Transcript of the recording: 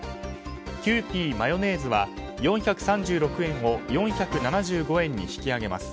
キユーピーマヨネーズは４３６円を４７５円に引き上げます。